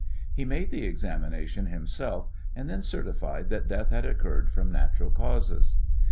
He made the examination himself, and then certified that death had occurred from natural causes.